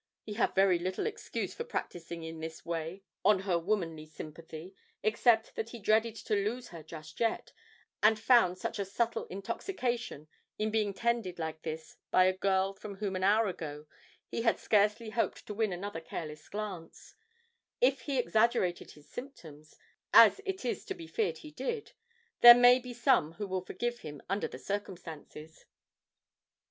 He had very little excuse for practising in this way on her womanly sympathy, except that he dreaded to lose her just yet, and found such a subtle intoxication in being tended like this by a girl from whom an hour ago he had scarcely hoped to win another careless glance; if he exaggerated his symptoms, as it is to be feared he did, there may be some who will forgive him under the circumstances.